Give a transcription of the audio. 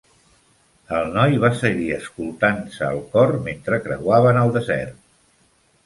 El noi va seguir escoltar-se el cor metre creuaven el desert.